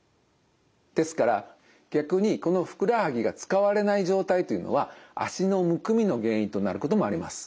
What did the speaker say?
ですから逆にこのふくらはぎが使われない状態というのは足のむくみの原因となることもあります。